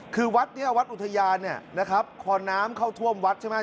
คือวัดเนี่ยวัดอุทยานเนี่ยนะครับพอน้ำเข้าท่วมวัดใช่ไหม